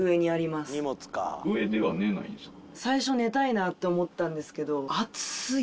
最初寝たいなと思ったんですけど。